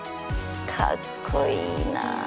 かっこいいな。